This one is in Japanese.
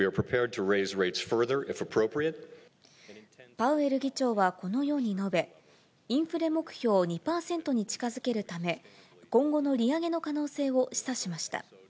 パウエル議長はこのように述べ、インフレ目標２％に近づけるため、今後の利上げの可能性を示唆しました。